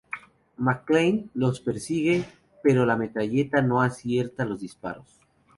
McClane los persigue, pero la metralleta no acierta los disparos.